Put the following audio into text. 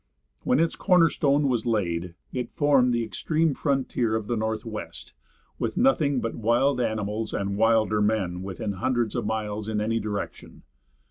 When its corner stone was laid it formed the extreme frontier of the Northwest, with nothing but wild animals and wilder men within hundreds of miles in any direction.